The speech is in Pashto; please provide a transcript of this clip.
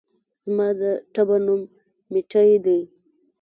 زما د ټبر نوم ميټى دى